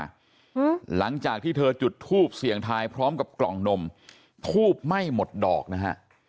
หลังจากที่เธอจุดทูบเสี่ยงทายพร้อมกับกล่องนมทูบไหม้หมดดอกนะฮะ